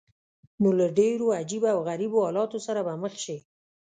نو له ډېرو عجیبه او غریبو حالاتو سره به مخ شې.